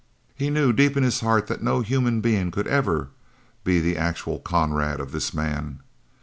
He knew deep in his heart that no human being could ever be the actual comrade of this man.